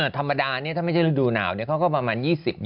ธรรมดานี้ถ้าไม่ใช่ฤดูหนาวเนี่ยเค้าก็ประมาณ๒๐๒๒